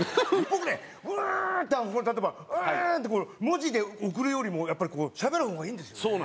僕ねバーッて例えばバーッて文字で送るよりもやっぱりこうしゃべる方がいいんですよね。